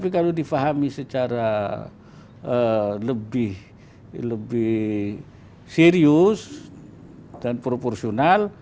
kalau difahami secara lebih serius dan proporsional